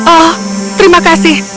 oh terima kasih